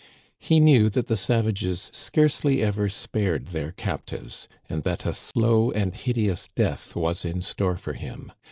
He knew that the savages scarcely ever spared their captives, and that a slow and hideous death was in store for him.